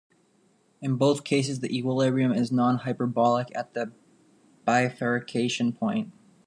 In both cases, the equilibrium is "non-hyperbolic" at the bifurcation point.